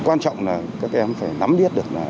cái quan trọng là các em phải nắm biết được